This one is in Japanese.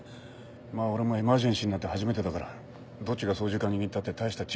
まあ俺もエマージェンシーなんて初めてだからどっちが操縦かん握ったって大した違いはないよ。